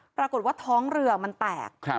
ปรากฏว่าท้องเรือมันแตก